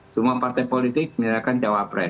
semua partai politik menyerahkan cawapres